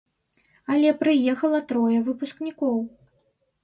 Але прыехала трое выпускнікоў.